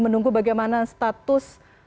menunggu bagaimana status